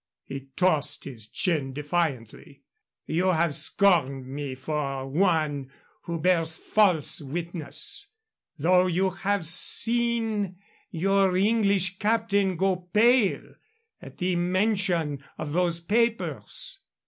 He tossed his chin defiantly. "You have scorned me for one who bears false witness, though you have seen your English captain go pale at the mention of those papers.